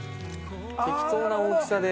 適当な大きさで。